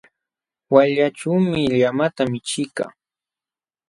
Wayllaćhuumi llamata michiykaa.